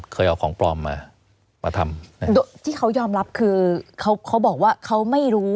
เคยเอาของปลอมมามาทำที่เขายอมรับคือเขาเขาบอกว่าเขาไม่รู้